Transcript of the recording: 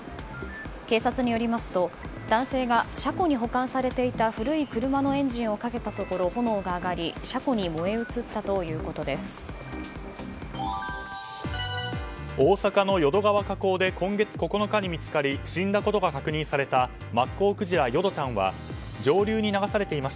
警察によりますと、男性が車庫に保管されていた古い車のエンジンをかけたところ炎が上がり車庫に燃え移ったということです。